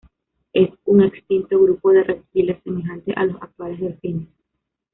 Es un extinto grupo de reptiles semejantes a los actuales delfines.